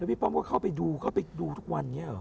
แล้วพี่ป้อมก็เข้าไปดูเข้าไปดูทุกวันอย่างนี้หรอ